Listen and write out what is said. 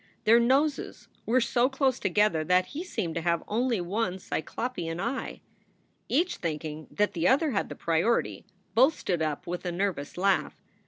Their noses were so close together that he seemed to have only one Cyclopean eye. Each thinking that the other had the priority, both stood up with a nervous laugh.